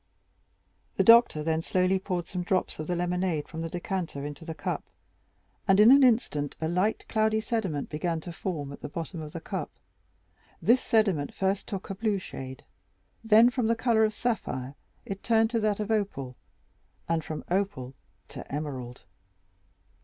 The doctor then slowly poured some drops of the lemonade from the decanter into the cup, and in an instant a light cloudy sediment began to form at the bottom of the cup; this sediment first took a blue shade, then from the color of sapphire it passed to that of opal, and from opal to emerald.